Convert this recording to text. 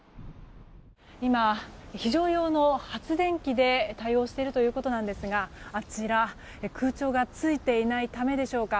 今、非常用の発電機で対応しているということなんですがあちら空調がついていないためでしょうか。